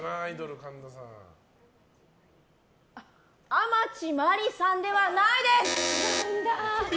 天地真理さんではないです。